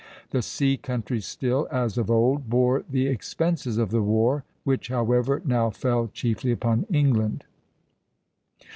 The sea countries still, as of old, bore the expenses of the war, which however now fell chiefly upon England.